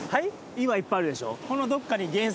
岩いっぱいあるでしょ？